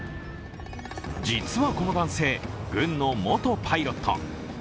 実はこの男性、軍の元パイロット。